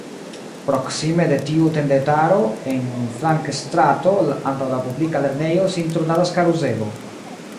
Proksime de tiu tendetaro, en flankstrato antaŭ la publika lernejo sin turnadas karuselo.